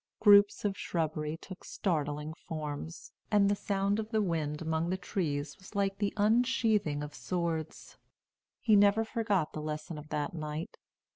Groups of shrubbery took startling forms, and the sound of the wind among the trees was like the unsheathing of swords. He never forgot the lesson of that night.